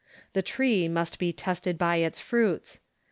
The tree must be tested by its fruits.